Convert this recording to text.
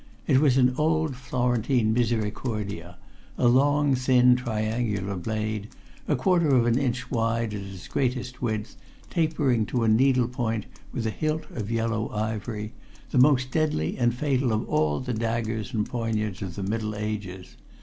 It was an old Florentine misericordia, a long thin, triangular blade, a quarter of an inch wide at its greatest width, tapering to a needle point, with a hilt of yellow ivory, the most deadly and fatal of all the daggers and poignards of the Middle Ages.